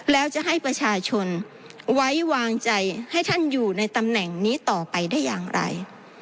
แล้วจะให้ประชาชนไว้วางใจให้ท่านอยู่ในตำแหน่งนี้ต่อไปได้อย่างไร